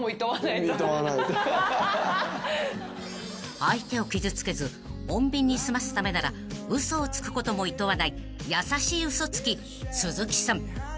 ［相手を傷つけず穏便に済ますためなら嘘をつくこともいとわない優しい嘘つき鈴木さん］